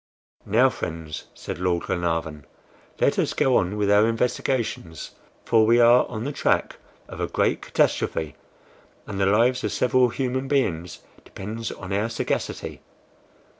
"Now, friends," said Lord Glenarvan, "let us go on with our investigations, for we are on the track of a great catastrophe, and the lives of several human beings depend on our sagacity.